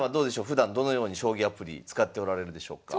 ふだんどのように将棋アプリ使っておられるでしょうか？